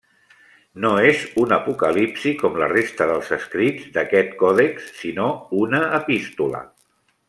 No és un Apocalipsi com la resta dels escrits d'aquest còdex, sinó una epístola.